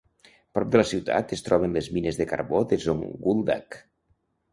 Prop de la ciutat es troben les mines de carbó de Zonguldak.